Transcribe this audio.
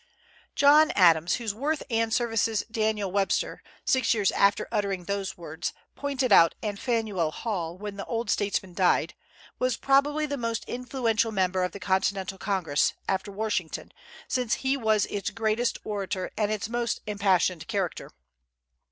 John Adams, whose worth and services Daniel Webster, six years after uttering those words, pointed out in Fanueil Hall when the old statesman died, was probably the most influential member of the Continental Congress, after Washington, since he was its greatest orator and its most impassioned character.